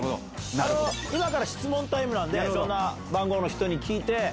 今から質問タイムなんでいろんな番号の人に聞いて。